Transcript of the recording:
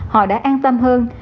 họ đã an tâm hơn